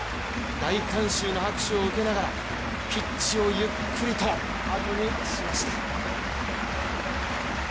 大観衆の拍手を受けながらピッチをゆっくりとあとにしました。